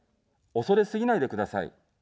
恐れすぎないでください。